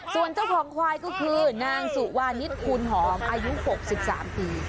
ส่วนเจ้าของควายก็คือนางสุวานิสคูณหอมอายุ๖๓ปี